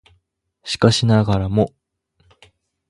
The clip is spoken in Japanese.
しかしながらも